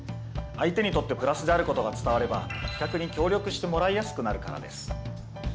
相手にとってプラスであることが伝われば企画に協力してもらいやすくなるからです。